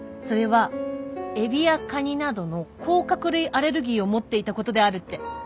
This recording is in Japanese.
それはエビやカニなどの甲殻類アレルギーを持っていたことである」って！